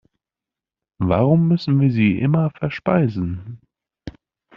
Warum müssen wir sie immer verspeisen?